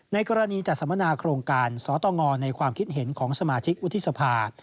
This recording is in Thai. ในกรณีจัดสัมมนาโครงการสตงในความคิดเห็นของสมาชิกวุฒิสภา